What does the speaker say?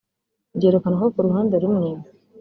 byerekana ko ku ruhande rumwe